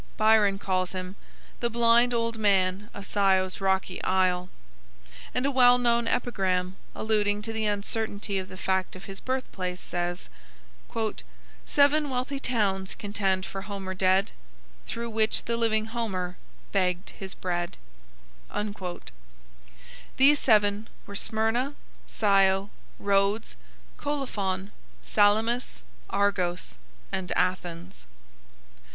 Byron calls him "The blind old man of Scio's rocky isle," and a well known epigram, alluding to the uncertainty of the fact of his birthplace, says: "Seven wealthy towns contend for Homer dead, Through which the living Homer begged his bread." These seven were Smyrna, Scio, Rhodes, Colophon, Salamis, Argos, and Athens.